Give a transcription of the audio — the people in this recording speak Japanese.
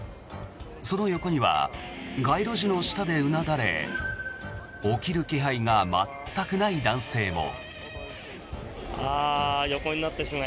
その横には街路樹の下でうなだれ起きる気配が全くない男性も。